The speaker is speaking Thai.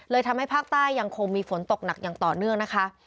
ทำให้ภาคใต้ยังคงมีฝนตกหนักอย่างต่อเนื่องนะคะ